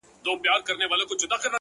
د توري شپې سره خوبونه هېرولاى نه ســم-